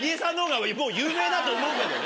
だと思うけどね。